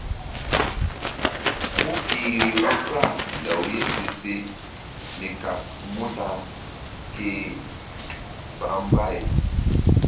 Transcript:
Mu kihri vbu kpah law ye se se mi kaɓ muta ke ɓa mbay.